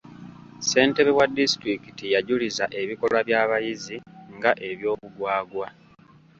Ssentebe wa disitulikiti yajuliza ebikolwa by'abayizi nga eby'obugwagwa.